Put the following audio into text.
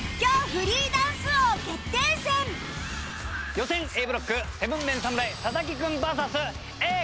予選Ａブロック７ＭＥＮ侍佐々木君ＶＳＡぇ！